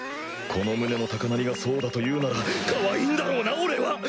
この胸の高鳴りがそうだと言うならかわいいんだろうな俺は！